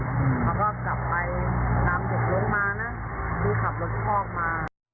พี่เขาก็กลับไปนำเศษเลี้ยงมานะพี่ขับรถช่องมา